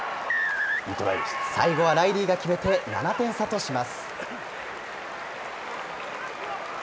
最後はライリーが決めて、７点差とします。